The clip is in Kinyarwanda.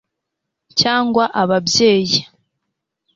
cyangwa ababyeyi